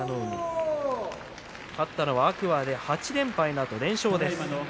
勝ったのは天空海で８連敗のあと連勝です。